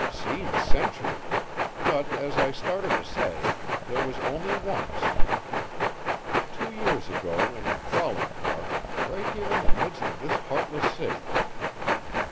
"Seems centuries, but as I started to say there was only once. Two years ago in a trolley car, right here in the midst of this heartless city.